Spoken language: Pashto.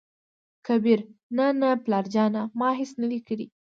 کبير : نه نه نه پلاره جانه ! ما هېڅ نه دى کړي.